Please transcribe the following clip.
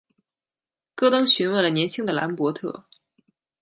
戈登询问了年轻的兰伯特。